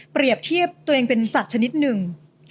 เทียบตัวเองเป็นสัตว์ชนิดหนึ่ง